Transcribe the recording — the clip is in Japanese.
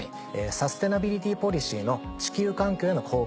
サステナビリティポリシーの「地球環境への貢献」